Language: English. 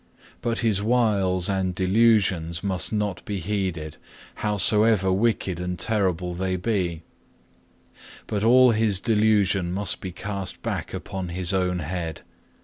But his wiles and delusions must not be heeded, howsoever wicked and terrible they be; but all his delusion must be cast back upon his own head.